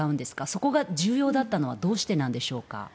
そこが重要だったのはどうしてなんでしょうか。